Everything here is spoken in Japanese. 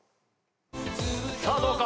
さあどうか？